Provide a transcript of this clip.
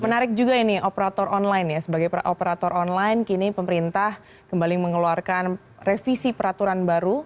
menarik juga ini operator online ya sebagai operator online kini pemerintah kembali mengeluarkan revisi peraturan baru